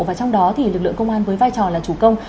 và trong đó thì lực lượng công an với vai trò là chủ công